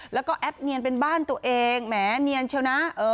แล้วก็แอปเนียนเป็นบ้านตัวเองแหมเนียนเชียวนะ